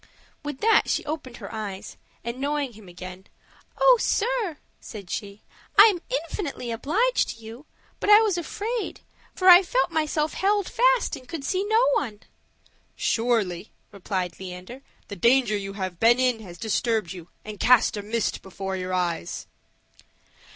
With that she opened her eyes, and knowing him again, "Oh, sir," said she, "I am infinitely obliged to you; but I was afraid, for I felt myself held fast and could see no one." "Surely," replied Leander, "the danger you have been in has disturbed you and cast a mist before your eyes."